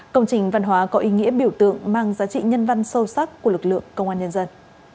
công trình văn hóa có ý nghĩa biểu tượng mang giá trị nhân văn sâu sắc của lực lượng công an nhân dân